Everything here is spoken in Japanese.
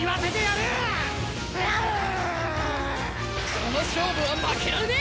この勝負は負けられねえ！